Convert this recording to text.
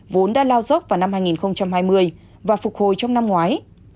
vốn đã lao dốc vào năm hai nghìn hai mươi và phục hồi trong năm ngoái